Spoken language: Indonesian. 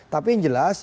tapi yang jelas